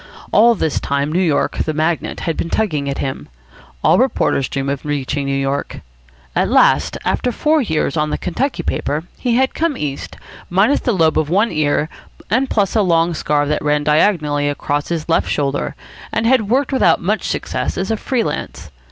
All this time New York, the magnet, had been tugging at him. All reporters dream of reaching New York. At last, after four years on the Kentucky paper, he had come East, minus the lobe of one ear and plus a long scar that ran diagonally across his left shoulder, and had worked without much success as a free lance.